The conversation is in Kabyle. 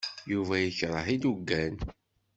Yuba yekṛeh ilugan.